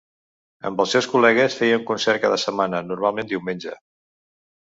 Amb els seus col·legues, feia un concert cada setmana, normalment diumenge.